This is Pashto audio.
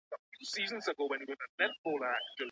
که لاس لیکنه ژوندۍ وي نو د علم رڼا به هم خپریږي.